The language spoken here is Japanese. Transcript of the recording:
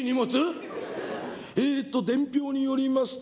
「えっと伝票によりますと。